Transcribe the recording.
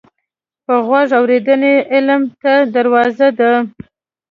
په غوږ اورېدنه علم ته دروازه ده